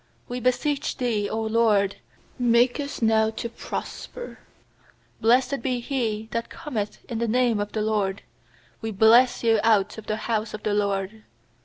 We beseech Thee, 0 LORD, make us now to prosper! 26Blessed be he that cometh in the name of the LORD; We bless you out of the house of the LORD.